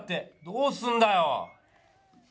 どうすんだよ！